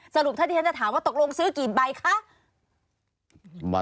สรุปท่านอิทธยะจะถามว่าตกลงซื้อกี่ใบคะ